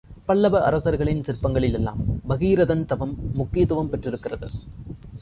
பல்லவ அரசர்களின் சிற்பங்களில் எல்லாம் பகீரதன் தவம் முக்கியத்துவம் பெற்றிருக்கிறது.